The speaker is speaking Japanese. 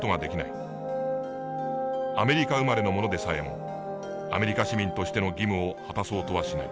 アメリカ生まれの者でさえもアメリカ市民としての義務を果たそうとはしない。